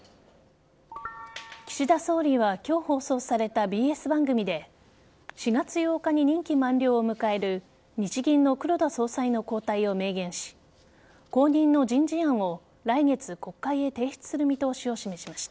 岸田総理は今日放送されたＢＳ番組で４月８日に任期満了を迎える日銀の黒田総裁の交代を明言し後任の人事案を来月、国会へ提出する見通しを示しました。